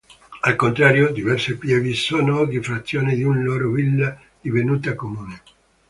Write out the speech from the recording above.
Al contrario diverse pievi sono oggi frazioni di una loro villa divenuta comune.